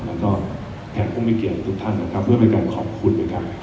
แล้วก็แขกภูมิเกียรติทุกท่านนะครับเพื่อไปกันขอบคุณไปกัน